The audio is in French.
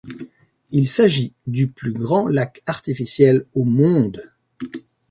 Il s'agit du plus grand lac artificiel au monde.